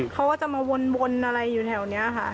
เขาก็จะมาวนอะไรอยู่แถวนี้ค่ะ